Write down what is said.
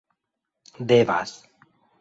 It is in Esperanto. devas